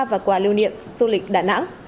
và quà lưu niệm du lịch đà nẵng